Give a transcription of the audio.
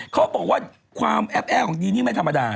เขาบอกว่าความแอบแอร์ของดีนี่ไม่ธรรมดา